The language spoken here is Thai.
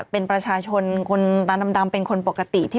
เป็นประชาชนคือคนปกติ